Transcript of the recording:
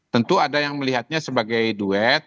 tentu ada yang melihatnya sebagai duet